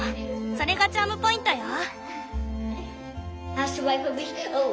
それがチャームポイントよ。